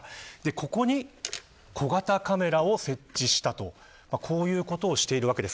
ここに小型カメラを設置したとこういうことをしているわけです。